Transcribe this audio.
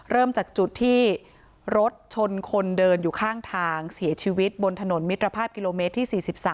เริ่มจากจุดที่รถชนคนเดินอยู่ข้างทางเสียชีวิตบนถนนมิตรภาพกิโลเมตรที่๔๓